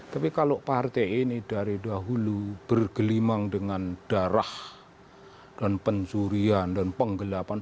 tapi kalau partai ini dari dahulu bergelimang dengan darah dan pensurian dan penggelapan